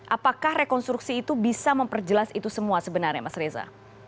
apakah rekonstruksi itu bisa memperjelas itu semua sebenarnya mas reza